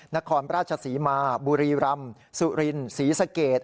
นครราชศรีมาบุรีรำสุรินศรีสเกต